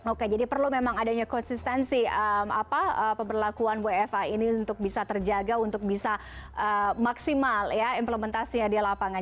oke jadi perlu memang adanya konsistensi pemberlakuan wfa ini untuk bisa terjaga untuk bisa maksimal ya implementasinya di lapangan